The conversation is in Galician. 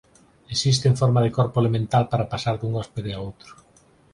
Existe en forma de corpo elemental para pasar dun hóspede a outro.